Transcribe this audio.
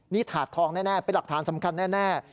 นี่ถาดทองแน่เป็นหลักฐานสำคัญแน่